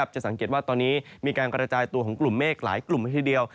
จะสังเกตว่าตอนนี้มีการกระจายตัวของกลุ่มเมฆหลายกลุ่มละทีเดียว